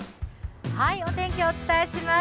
お天気、お伝えします。